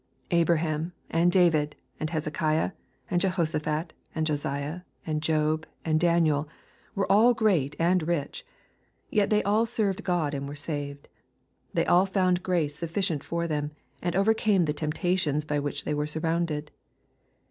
Abraham, and David, and Hezekiah, and Jehoshaphat, and Josiah, and Job, and Daniel, were all great and rich. Yet they all served God and were saved. They all found grace sufficient for them, and overcame the temptations by which they were surrounded.